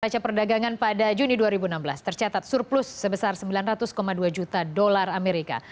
raca perdagangan pada juni dua ribu enam belas tercatat surplus sebesar sembilan ratus dua juta dolar amerika